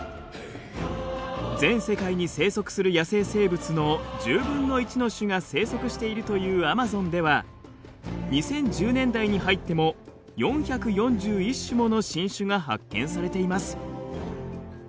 全世界に生息する野生生物の１０分の１の種が生息しているというアマゾンでは２０１０年代に入っても４４１種もの新種が発見されています。